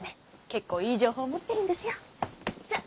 結構いい情報持ってるんですよッ！